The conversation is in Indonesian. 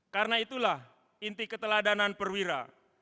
karena itulah inti keteladanan perwira